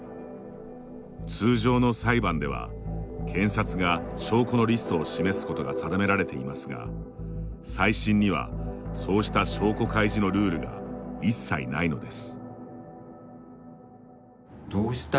通常の裁判では検察が証拠のリストを示すことが定められていますが再審にはそうした証拠開示のルールが一切ないのです。